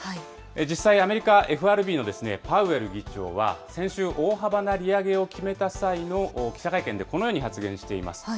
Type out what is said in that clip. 実際、アメリカＦＲＢのパウエル議長は、先週、大幅な利上げを決めた際の記者会見でこのように発言しています。